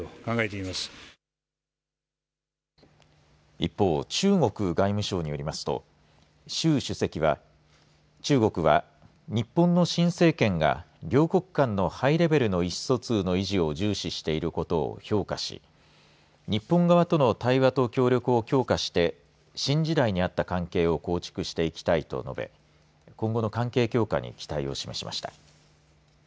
一方、中国外務省によりますと習主席は中国は日本の新政権が両国間のハイレベルの意思疎通の維持を重視していることを評価し日本側との対話と協力を強化して新時代にあった関係を構築していきたいと述べ今後の関係強化に期待を示しました。